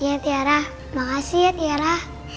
ya tiara makasih ya tiara